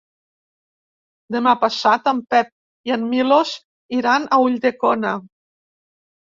Demà passat en Pep i en Milos iran a Ulldecona.